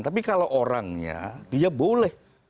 tapi kalau orangnya dia boleh